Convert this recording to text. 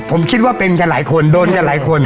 ผมคิดว่าเป็นกันหลายคนโดนกันหลายคน